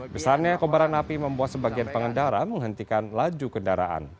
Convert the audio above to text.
besarnya kobaran api membuat sebagian pengendara menghentikan laju kendaraan